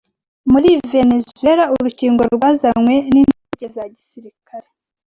muri Venezuela urukingo rwazanywe nindege za gisirikare